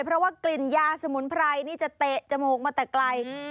เพราะว่ากลิ่นยาสมุนไพรนี่จะเตะจมูกมาแต่ไกล